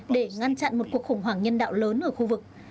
để ngăn chặn một cuộc khủng hoảng nhân đạo lớn ở khu vực